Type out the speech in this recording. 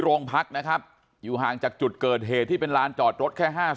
โรงพักนะครับอยู่ห่างจากจุดเกิดเหตุที่เป็นลานจอดรถแค่ห้า